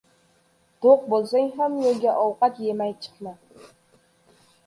• To‘q bo‘lsang ham yo‘lga ovqat yemay chiqma.